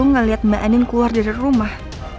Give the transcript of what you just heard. melihat mbak endin keluar dari rumah